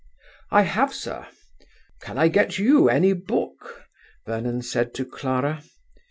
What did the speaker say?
"I have, sir. Can I get you any book?" Vernon said to Clara.